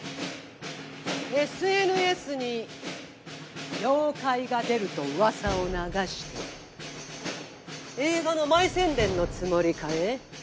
ＳＮＳに妖怪が出ると噂を流して映画の前宣伝のつもりかえ？